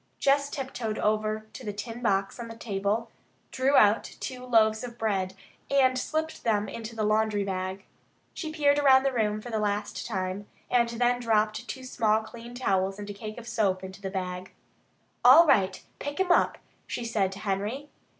Jess tiptoed over to the tin box on the table, drew out the two loaves of bread, and slipped them into the laundry bag. She peered around the room for the last time, and then dropped two small clean towels and a cake of soap into the bag. "All right. Pick him up," she said to Henry.